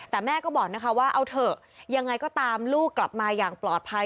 แต่แม่ก็บอกนะคะว่าเอาเถอะยังไงก็ตามลูกกลับมาอย่างปลอดภัย